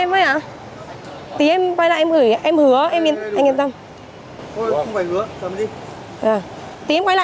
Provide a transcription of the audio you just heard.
em gửi giả lại anh em hứa là em giả lại mà